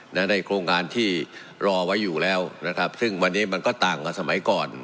ในโครงการที่รอไว้อยู่แล้วนะครับซึ่งวันนี้มันก็ต่างกับสมัยก่อน